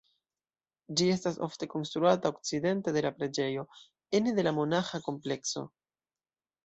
Ĝi estas ofte konstruata okcidente de la preĝejo ene de monaĥa komplekso.